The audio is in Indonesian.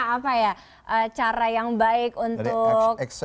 apa ya cara yang baik untuk